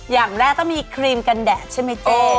อย่างแรกต้องมีครีมกันแดดใช่ไหมเจ๊